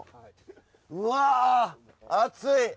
うわ暑い！